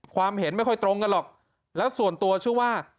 ความเห็นไม่ค่อยตรงกันหรอกแล้วส่วนตัวชื่อว่า